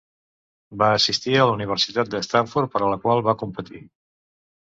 Va assistir a la Universitat de Stanford, per a la qual va competir.